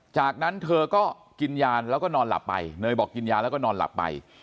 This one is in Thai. จากนั้นเธอก็กินยาแล้วก็นอนหลับไปเนยบอกกินยาแล้วก็นอนหลับไป